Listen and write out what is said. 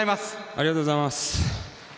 ありがとうございます。